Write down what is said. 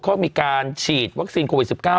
เขามีการฉีดวัคซีนโควิด๑๙